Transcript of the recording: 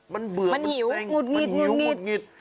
มันเบื่อมันหิวมันหิวมันหิวมันหิวมันหิวมันหิวมันหิวมันหิว